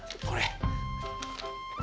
これ。